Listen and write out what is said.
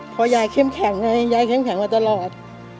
เพราะยายเข้มแข็งไงยายเข้มแข็งมาตลอด